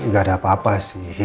gak ada apa apa sih